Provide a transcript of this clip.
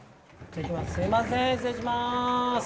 すいません失礼します。